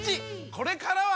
これからは！